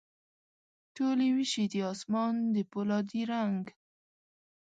ټولي ویشي د اسمان د پولا دي رنګ،